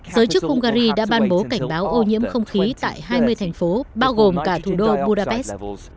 giới chức hungary đã ban bố cảnh báo ô nhiễm không khí tại hai mươi thành phố bao gồm cả thủ đô budapest